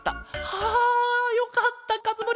はあよかったかずむ